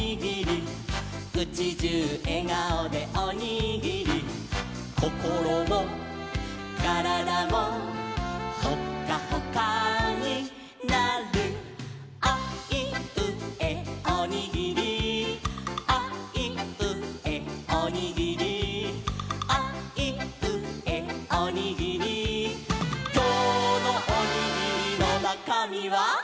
「うちじゅうえがおでおにぎり」「こころもからだも」「ホッカホカになる」「あいうえおにぎり」「あいうえおにぎり」「あいうえおにぎり」「きょうのおにぎりのなかみは？」